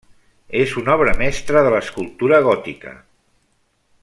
És una obra mestra de l'escultura gòtica.